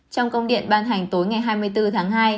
trong công điện ban hành tối ngày hai mươi bốn tháng hai